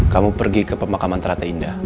kamu pergi ke pemakaman terata indah